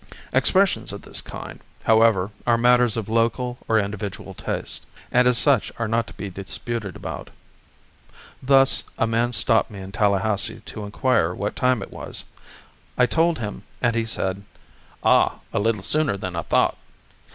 Expressions of this kind, however, are matters of local or individual taste, and as such are not to be disputed about. Thus, a man stopped me in Tallahassee to inquire what time it was. I told him, and he said, "Ah, a little sooner than I thought."